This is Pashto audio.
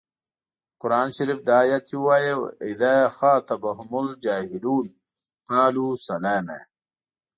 د قران شریف دا ایت یې ووايه و اذا خاطبهم الجاهلون قالو سلاما.